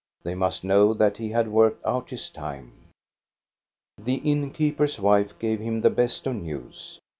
They must know that he had worked out his time. The innkeeper's wife gave him the best of news.